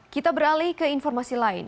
kita beralih ke informasi lain